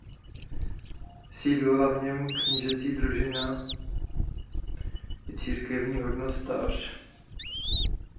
Sídlila v něm knížecí družina i církevní hodnostář.